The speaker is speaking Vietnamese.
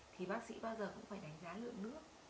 thì bác sĩ bao giờ cũng phải đánh giá lượng nữa